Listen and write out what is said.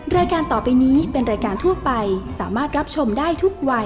รายการต่อไปนี้เป็นรายการทั่วไปสามารถรับชมได้ทุกวัย